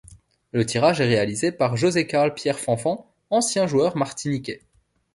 Le tirage est réalisé par José-Karl Pierre-Fanfan, ancien joueur martiniquais.